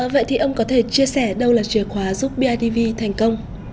vậy thì ông có thể chia sẻ đâu là chìa khóa giúp bidv thành công